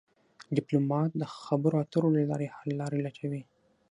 ډيپلومات د خبرو اترو له لارې حل لارې لټوي.